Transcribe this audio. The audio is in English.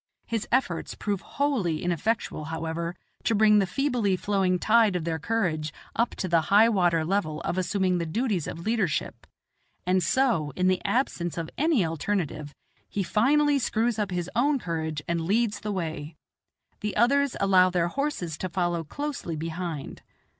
His efforts prove wholly ineffectual, however, to bring the feebly flowing tide of their courage up to the high water level of assuming the duties of leadership, and so in the absence of any alternative, he finally screws up his own courage and leads the way. The others allow their horses to follow closely behind.